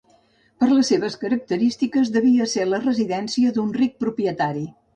Per les seves característiques devia ser la residència d'un ric propietari.